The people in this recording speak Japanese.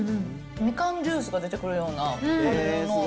みかんジュースが出てくるような。